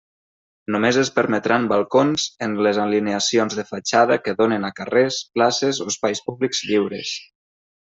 Només es permetran balcons en les alineacions de fatxada que donen a carrers, places o espais públics lliures.